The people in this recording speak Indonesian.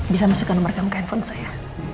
bisa masukkan nomer kamu ke handphone saya